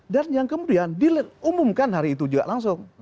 dan yang kemudian diumumkan hari itu juga langsung